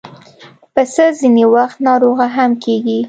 پسه ځینې وخت ناروغه هم کېږي.